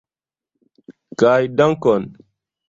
Kaj dankon!